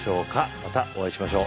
またお会いしましょう。